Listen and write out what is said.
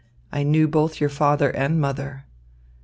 I knew both your father and mother."